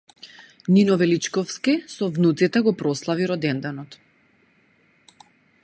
Нино Величковски со внуците го прослави роденденот